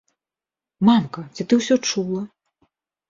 Мамка, ці ты ўсё чула?